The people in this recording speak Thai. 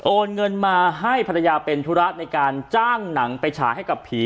เงินมาให้ภรรยาเป็นธุระในการจ้างหนังไปฉายให้กับผี